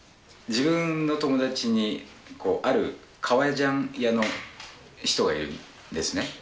自分の友達に、ある革ジャン屋の人がいるんですね。